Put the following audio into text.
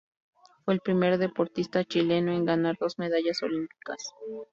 Fue el primer deportista chileno en ganar dos medallas olímpicas.